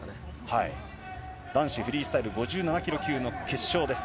男子フリースタイル５７キロ級の決勝です。